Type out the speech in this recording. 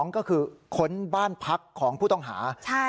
ก็คือค้นบ้านพักของผู้ต้องหา